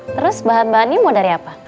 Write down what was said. terus bahan bahannya mau dari apa